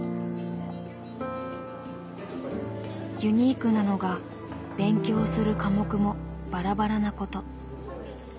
ユニークなのが勉強する科目もバラバラなこと。